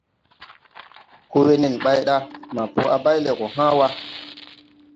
Koo wee nen ɓay ɗa maa po a bay lɛ gɔ hãã wa.